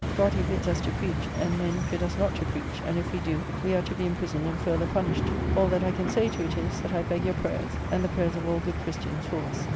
God he bids us to preach, and men bid us not to preach; and if we do, we are to be imprisoned and further punished. All that I can say to it is, that I beg your prayers, and the prayers of all good Christians, for us."